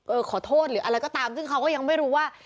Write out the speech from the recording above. ขอโทษหรืออะไรก็ตามซึ่งเขาก็ยังไม่รู้ว่า